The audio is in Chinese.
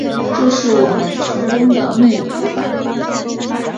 这是我们成功的秘密